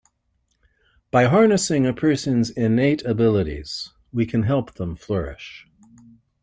By harnessing a persons innate abilities we can help them flourish.